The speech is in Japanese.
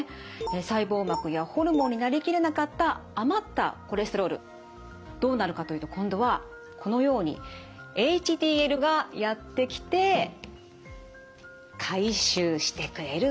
細胞膜やホルモンになりきれなかった余ったコレステロールどうなるかというと今度はこのようにＨＤＬがやって来て回収してくれるわけです。